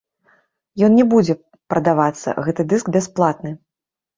Ён не будзе прадавацца, гэты дыск бясплатны.